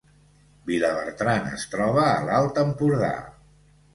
Vilabertran es troba a l’Alt Empordà